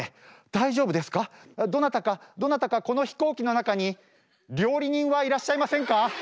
どなたかどなたかこの飛行機の中に料理人はいらっしゃいませんか？